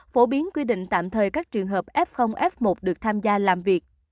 phổ biến quy định tạm thời các trường hợp f f một được tham gia làm việc